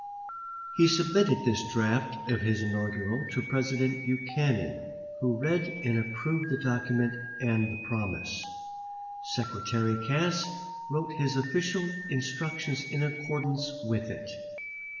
He submitted this draft of his inaugural to President Buchanan, who read and approved the document and the promise. Secretary Cass wrote his official instructions in accordance with it.